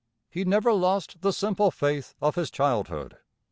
He never lost the simple faith of his childhood.